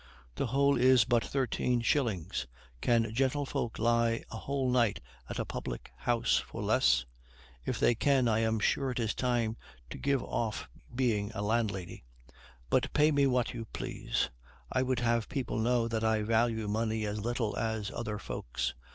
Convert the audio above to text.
The whole is but thirteen shillings. Can gentlefolks lie a whole night at a public house for less? If they can I am sure it is time to give off being a landlady: but pay me what you please; I would have people know that I value money as little as other folks.